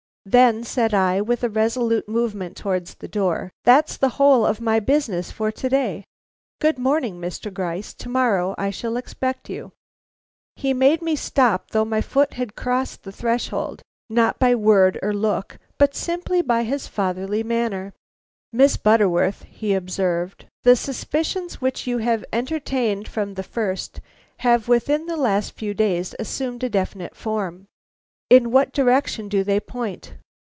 "Then," said I, with a resolute movement towards the door, "that's the whole of my business for to day. Good morning, Mr. Gryce; to morrow I shall expect you." He made me stop though my foot had crossed the threshold; not by word or look but simply by his fatherly manner. "Miss Butterworth," he observed, "the suspicions which you have entertained from the first have within the last few days assumed a definite form. In what direction do they point?